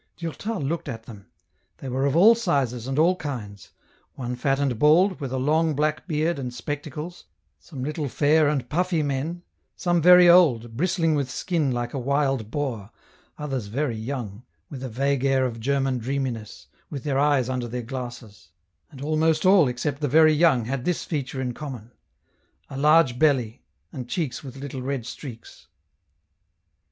Durtal looked at them ; they were of all sizes and all kinds ; one fat and bald, with a long black beard and specta cles, some little fair and puffy men, some very old, bristling with skin like a wild boar, others very young, with a vague air of German dreaminess, with their eyes under their glasses ; and almost all except the very young had this feature in common : a large belly, and cheeks with little red streaks.